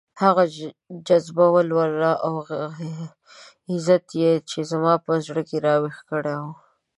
هغه جذبه، ولوله او عزت يې چې زما په زړه کې راويښ کړی وو.